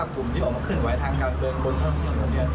๘๙กลุ่มที่ออกมาขึ้นไว้ทางการเบื้องบนท่องเที่ยวนี้